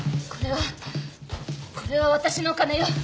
これはこれは私のお金よ。